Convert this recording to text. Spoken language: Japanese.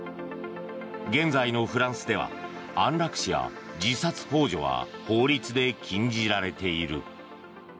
現在のフランスでは安楽死や自殺ほう助は法律で禁じられている。